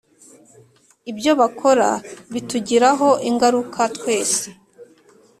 ibyo bakora bitugiraho ingaruka tweswe